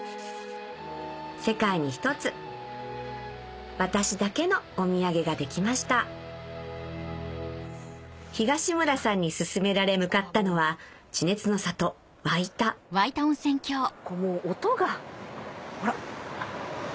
世界に一つ私だけのお土産ができました東村さんに勧められ向かったのは地熱の里もう音がほら。